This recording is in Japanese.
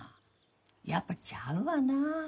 やっぱちゃうわな。